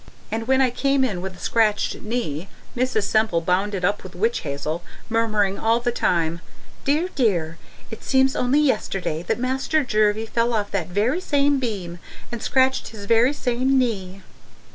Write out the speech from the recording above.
And when I came in with a scratched knee, Mrs. Semple bound it up with witch hazel, murmuring all the time, 'Dear! Dear! It seems only yesterday that Master Jervie fell off that very same beam and scratched this very same knee.'